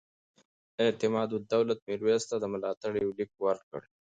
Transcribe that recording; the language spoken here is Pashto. اعتمادالدولة میرویس ته د ملاتړ یو لیک ورکړ.